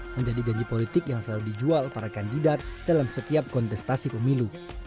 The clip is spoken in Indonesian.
menjadi janji politik yang selalu dijual para kandidat dalam setiap kontestasi pemilu